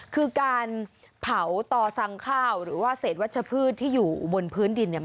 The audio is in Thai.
คือการเผาต่อสั่งข้าวหรือว่าเศษวัชพืชที่อยู่บนพื้นดินเนี่ย